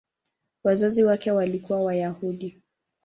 Wazazi wake walikuwa Wayahudi.